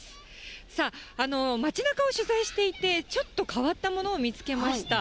さあ、町なかを取材していて、ちょっと変わったものを見つけました。